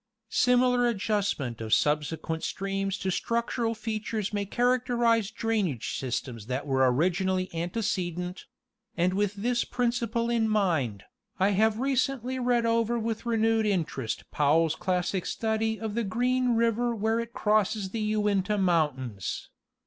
Similar adjustment of subsequent streams to structural features may characterize drainage systems that were originally antecedent: and with this principle in mind, I have recently read over with renewed interest Powell's classic study of the Green river where it crosses the Uinta mountains.